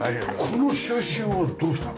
この収集はどうしたの？